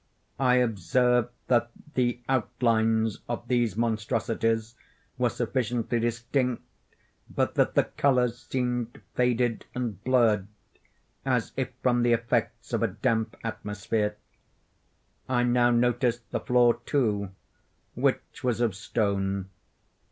I observed that the outlines of these monstrosities were sufficiently distinct, but that the colors seemed faded and blurred, as if from the effects of a damp atmosphere. I now noticed the floor, too, which was of stone.